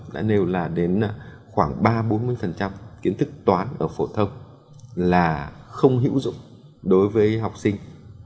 đã nêu là đến khoảng ba bốn mươi kiến thức toán ở phổ thông là không hữu dụng đối với học sinh